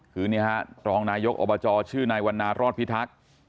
คือนี่ฮะรองนายกอบจชื่อนายวันนารอดพิทักษ์